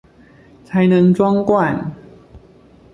才能裝罐